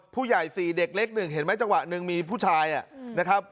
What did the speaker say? ผู้ใหญ่๔เด็กเล็ก๑เห็นไหมจังหวะหนึ่งมีผู้ชายนะครับ